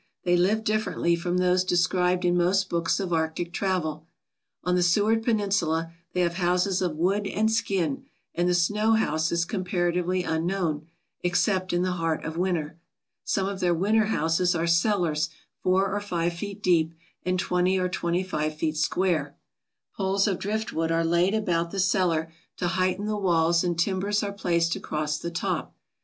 They live differ ently from those described in most books of Arctic travel. On the Seward Peninsula they have houses of wood and skin and the snow house is comparatively unknown, ex cept in the heart of winter. Some of their winter houses are cellars four or five feet deep and twenty or twenty five feet square. Poles of driftwood are laid about the cellar to heighten the walls and timbers are placed across the top.